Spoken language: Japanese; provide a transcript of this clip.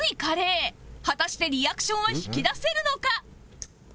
果たしてリアクションは引き出せるのか？